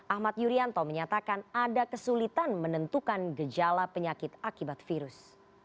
ahmad yuryanto menyatakan ada kesulitan menentukan gejala penyakit akibat virus